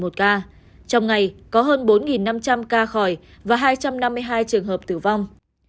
trong ngày có hơn bốn năm trăm linh ca khỏi và hai trăm năm mươi hai trường hợp tử vong